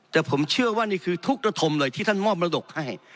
แต่ผมเชื่อว่านี่คือทุกระทมเลยที่ท่านมอบมรดกให้